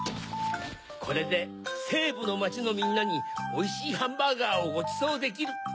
これでせいぶのまちのみんなにおいしいハンバーガーをごちそうできる。